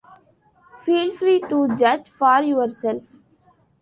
Feel free to judge for yourself.